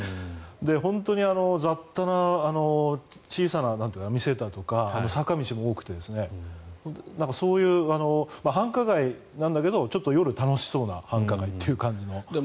本当に雑多な小さな店だとか坂道も多くてそういう繁華街なんだけど夜、楽しそうな繁華街という感じの。